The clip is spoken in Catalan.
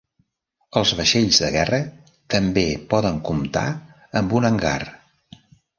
Els vaixells de guerra també poden comptar amb un hangar.